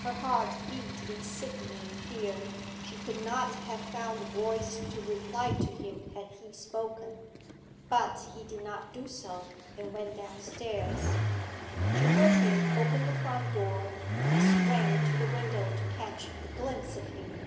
Her heart beat in sickening fear; she could not have found voice to reply to him had he spoken. But he did not do so, and went downstairs. She heard him open the front door, and sprang to the window to catch a glimpse of him.